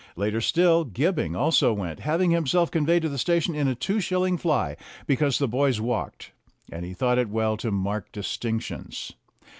Later still, Gibbing also went, having himself conveyed to the station in a two shilling fly, because the boys walked, and he thought it well to mark distinctions.